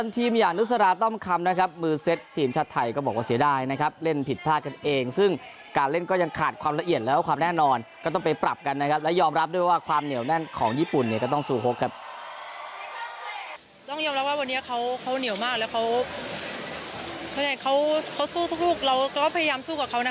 ต้องยอมรับว่าวันนี้เขาเหนียวมากและเขาสู้ทุกผมพยายามสู้กับเขา